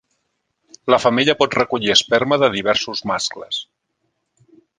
La femella pot recollir esperma de diversos mascles.